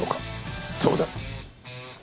そうだ。